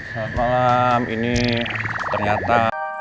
selamat malam ini ternyata